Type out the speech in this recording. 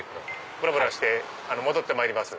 ぶらぶらして戻ってまいります。